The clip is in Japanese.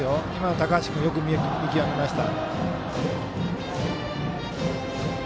高橋君もよく見極めました。